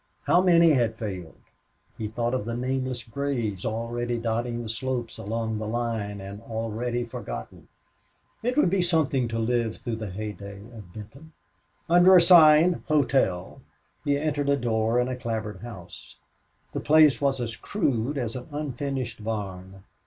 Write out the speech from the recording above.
How many had failed! He thought of the nameless graves already dotting the slopes along the line and already forgotten. It would be something to live through the heyday of Benton. Under a sign, "Hotel," he entered a door in a clapboard house. The place was as crude as an unfinished barn.